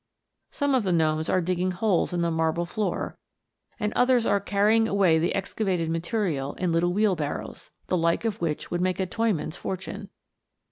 Some of the gnomes are digging holes in the marble floor, and others are carrying away the excavated material in little wheelbarrows, the like of which would make a toyman's fortune.